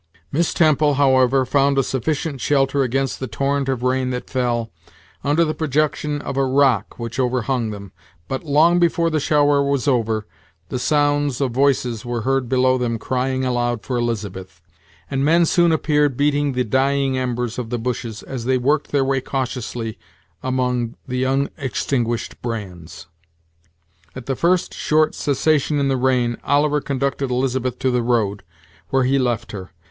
Miss Temple, however, found a sufficient shelter against the torrent of rain that fell, under the projection of a rock which overhung them, But long before the shower was over, the sounds of voices were heard below them crying aloud for Elizabeth, and men soon appeared beating the dying embers of the bushes, as they worked their way cautiously among the unextinguished brands. At the first short cessation in the rain, Oliver conducted Elizabeth to the road, where he left her.